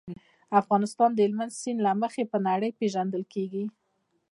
افغانستان د هلمند سیند له مخې په نړۍ پېژندل کېږي.